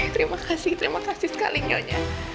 terima kasih terima kasih sekali nyonya